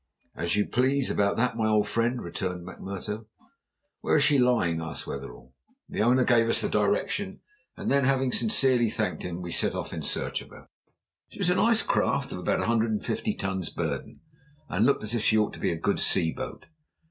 "As you please about that, my old friend," returned McMurtough. "Where is she lying?" asked Wetherell. The owner gave us the direction, and then having sincerely thanked him, we set off in search of her. She was a nice craft of about a hundred and fifty tons burden, and looked as if she ought to be a good sea boat.